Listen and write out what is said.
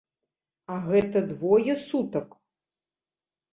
А гэта двое сутак!